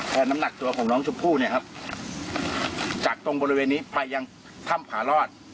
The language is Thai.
น้ำหนักตัวของน้องชมพู่เนี่ยครับจากตรงบริเวณนี้ไปยังถ้ำผารอด